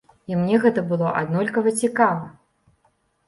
І мне гэта было аднолькава цікава.